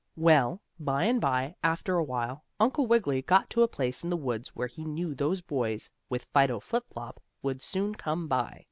Well, by and by, after a while, Uncle Wiggily got to a place in the woods where he knew those boys, with Fido Flip Flop, would soon come by.